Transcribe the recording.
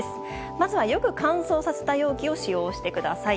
まずはよく乾燥させた容器を使用してください。